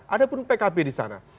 ada pun pkb di sana